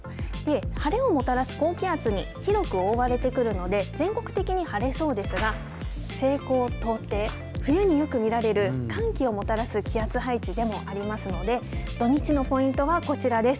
晴れをもたらす高気圧に広く覆われてくるので全国的に晴れそうですが西高東低、冬によく見られる寒気をもたらす気圧配置でもありますので土日のポイントはこちらです。